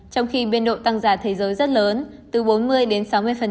trong khi biên độ tăng giả thế giới rất lớn từ bốn mươi đến sáu mươi